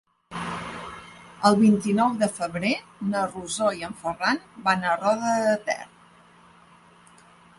El vint-i-nou de febrer na Rosó i en Ferran van a Roda de Ter.